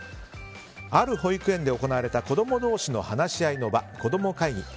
ある保育園で行われた子供同士の話し合いの場こどもかいぎ。